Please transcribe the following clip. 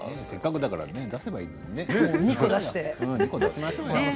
せっかくだから出せばいいのにね。